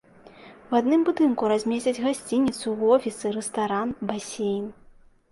У адным будынку размесцяць гасцініцу, офісы, рэстаран, басейн.